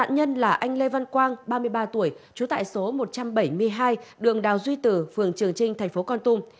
nhân là anh lê văn quang ba mươi ba tuổi trú tại số một trăm bảy mươi hai đường đào duy tử phường trường trinh tp con tum